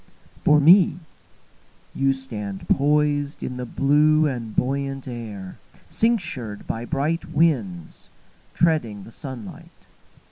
For me, You stand poisedIn the blue and buoyant air, Cinctured by bright winds, Treading the sunlight.